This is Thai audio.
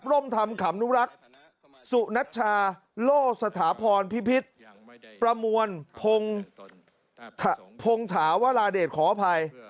ร่มธรรมขำนุรักษ์สุนัชชาโลสถาพรพิพิษประมวลพงพงถาวราเดชขออภัย